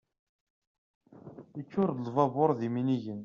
Iččur-d lbabur d iminigen.